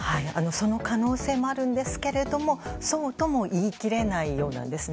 その可能性もあるんですけれどもそうとも言い切れないようなんです。